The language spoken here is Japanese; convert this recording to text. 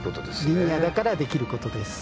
リニアだからできることです。